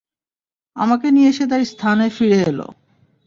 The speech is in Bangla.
আমাকে নিয়ে সে তার স্থানে ফিরে এল।